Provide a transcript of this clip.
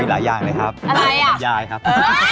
หลายอย่างเลยครับหลายอย่างครับอะไรน่ะ